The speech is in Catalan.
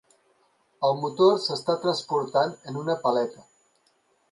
El motor s'està transportant en una paleta.